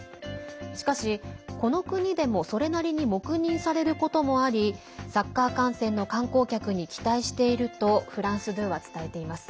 しかし、この国でもそれなりに黙認されることもありサッカー観戦の観光客に期待しているとフランス２は伝えています。